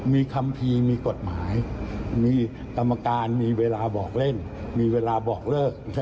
มีคัมภีร์มีกฎหมายมีกรรมการมีเวลาบอกเล่นมีเวลาบอกเลิก